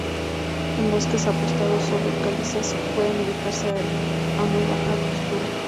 En bosques apostados sobre calizas, pueden ubicarse a muy baja altura.